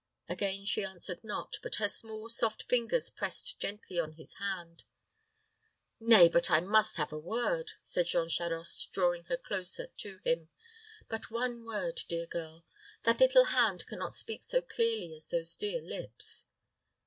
Again she answered not; but her small, soft fingers pressed gently on his hand. "Nay, but I must have a word," said Jean Charost, drawing her closer to him; "but one word, dear girl. That little hand can not speak so clearly as those dear lips."